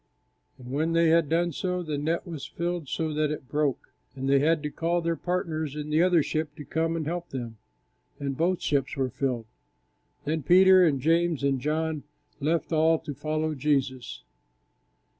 And when they had done so, the net was filled so that it broke, and they had to call to their partners in the other ship to come and help them; and both ships were filled. Then Peter and James and John left all to follow Jesus.